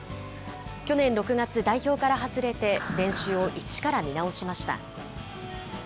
去年６月、代表から外れて、練習を一から見直しました。